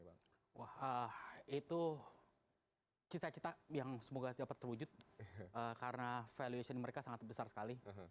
wah itu cita cita yang semoga dapat terwujud karena valuation mereka sangat besar sekali